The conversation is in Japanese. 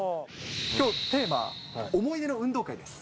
きょう、テーマ、思い出の運動会です。